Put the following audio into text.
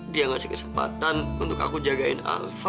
dia ngasih kesempatan untuk aku jagain alfa